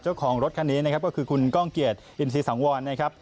เจ้าของรถคันนี้ก็คือคุณก้องเกียรติอินทรีย์สังวร